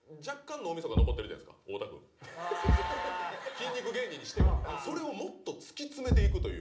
筋肉芸人にしては。それをもっと突き詰めていくという。